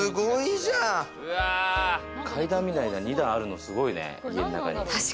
階段みたいなの２段あるのすごいね。